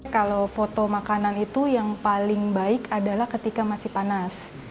kalau foto makanan itu yang paling baik adalah ketika masih panas